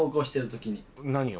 何を？